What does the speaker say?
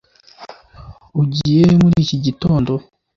ugiye hehe muri iki gitondo